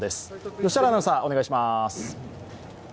良原アナウンサー、お願いします。